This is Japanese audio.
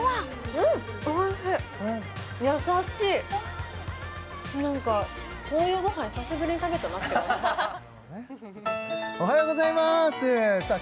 うんおいしい優しい何かこういうごはん久しぶりに食べたなっておはようございますさあ